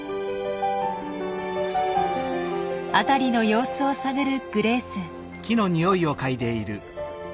辺りの様子を探るグレース。